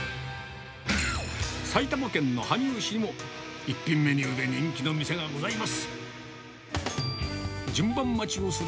埼玉県の羽生市にも、一品メニューで人気の店がございます。